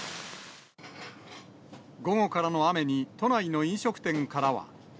午後からの雨に、都内の飲食店からは。